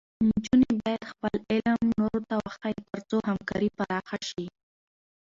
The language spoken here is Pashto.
نجونې باید خپل علم نورو ته وښيي، تر څو همکاري پراخه شي.